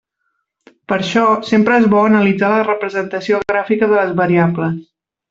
Per això sempre és bo analitzar la representació gràfica de les variables.